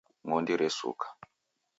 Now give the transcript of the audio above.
Ng'ondi resuka